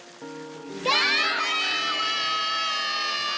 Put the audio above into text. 頑張れ！